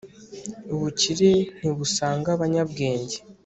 ubukire ntibusanga abanyabwenge